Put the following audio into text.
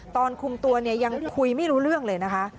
ตอนคุมตัวเนี่ยยังคุยไม่รู้เรื่องเลยนะคะ